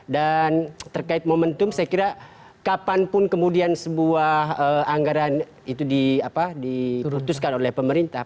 dan terkait momentum saya kira kapanpun kemudian sebuah anggaran itu diutuskan oleh pemerintah